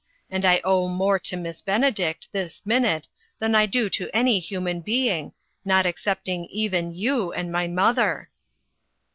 And I owe more to Miss Benedict, this minute, than I do to any human being, not excepting even you and my mother."